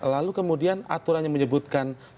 lalu kemudian aturannya menyebutkan